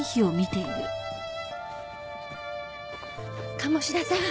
鴨志田さん